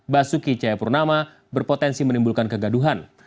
basuki cahayapurnama berpotensi menimbulkan kegaduhan